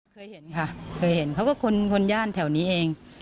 เคยเห็นค่ะเคยเห็นเขาก็คนย่านแถวนี้เอง